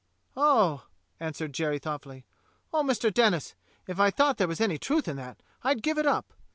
"Oh," answered Jerry thoughtfully, "oh. Mister Denis, if I thought there was any truth in that, I'd give it up.